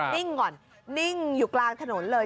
นิ่งก่อนนิ่งอยู่กลางถนนเลย